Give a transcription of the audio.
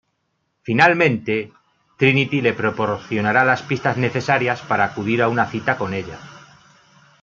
Finalmente, Trinity le proporcionará las pistas necesarias para acudir a una cita con ella.